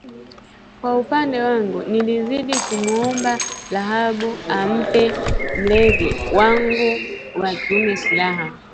Kwa upande wangu, nilizidi kumwomba Rabana ampe mvyele wangu wa kiume siha